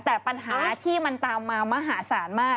แต่ปัญหาที่มันตามมามหาศาลมาก